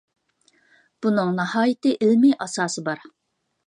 بۇنىڭ ناھايىتى ئىلمىي ئاساسى بار.